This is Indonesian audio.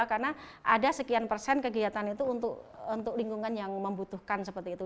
karena ada sekian persen kegiatan itu untuk lingkungan yang membutuhkan seperti itu